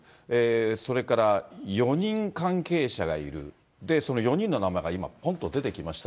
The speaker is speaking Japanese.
それから４人関係者がいる、その４人の名前が今、ぽんと出てきました。